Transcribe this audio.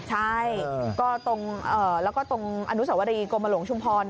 ใช่ก็แล้วก็ตรงอนุสวรีกรมหลวงชุมพร